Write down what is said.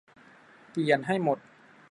เปลี่ยนให้หมด